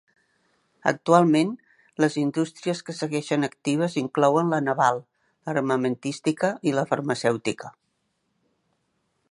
Actualment, les indústries que segueixen actives inclouen la naval, l'armamentística i la farmacèutica.